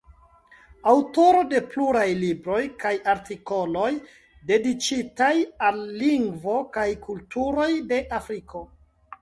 Aŭtoro de pluraj libroj kaj artikoloj dediĉitaj al lingvoj kaj kulturoj de Afriko.